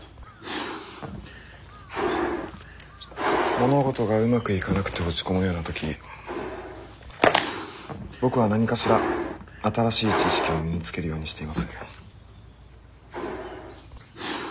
物事がうまくいかなくて落ち込むような時僕は何かしら新しい知識を身につけるようにしています。